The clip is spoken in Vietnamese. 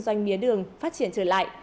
doanh mía đường phát triển trở lại